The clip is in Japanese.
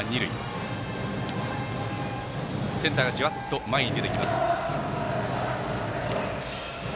センターがじわっと前に出てきます。